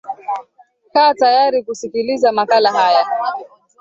kaa tayari kusikiliza makala haya